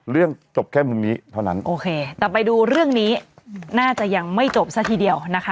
เรื่องจบแค่มุมนี้เท่านั้นโอเคแต่ไปดูเรื่องนี้น่าจะยังไม่จบซะทีเดียวนะคะ